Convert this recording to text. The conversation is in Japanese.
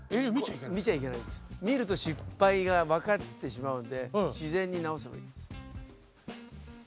見ると失敗が分かってしまうので自然に直す。